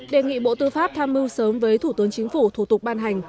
đề nghị bộ tư pháp tham mưu sớm với thủ tướng chính phủ thủ tục ban hành